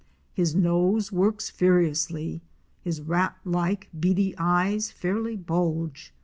His nose works furiously, his rat like beady eyes fairly bulge.